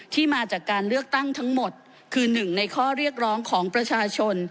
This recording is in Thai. มาจากการเลือกตั้งทั้งหมดคือหนึ่งในข้อเรียกร้องของประชาชน